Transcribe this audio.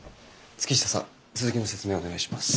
月下さん続きの説明お願いします。